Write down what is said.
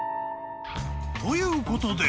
ということで］